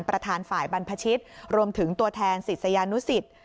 ประธานฝ่ายบรรพชิตรวมถึงตัวแทนศิษยานุสิต